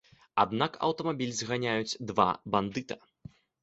Аднак аўтамабіль зганяюць два бандыта.